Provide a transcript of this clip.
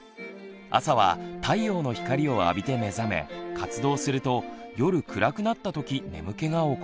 朝は太陽の光を浴びて目覚め活動すると夜暗くなった時眠気が起こります。